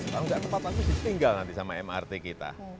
kalau enggak tepat waktu ditinggal nanti sama mrt kita